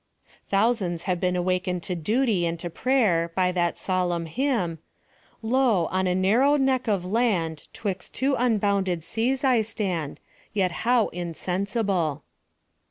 Thousands have been awakened to duty and to prayer, by that solemn hymn, Lo, on a narrow neck of land, 'Twixt two unbounded seas I stand. Yet how insensible